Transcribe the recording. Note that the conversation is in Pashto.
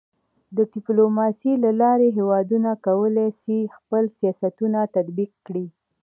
د ډيپلوماسۍ له لارې هېوادونه کولی سي خپل سیاستونه تطبیق کړي.